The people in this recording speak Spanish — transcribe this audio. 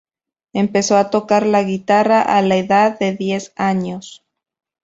Empezó a tocar la guitarra a la edad de diez años.